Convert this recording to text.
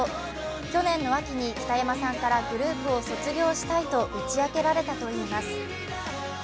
去年の秋に北山さんからグループを卒業したいと打ち明けられたといいます。